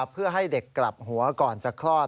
เพื่อให้เด็กกลับหัวก่อนจะคลอด